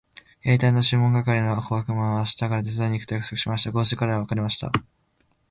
兵隊のシモン係の小悪魔は明日から手伝いに行くと約束しました。こうして彼等は別れました。